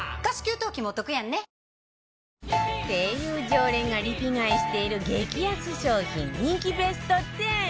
常連がリピ買いしている激安商品人気ベスト１０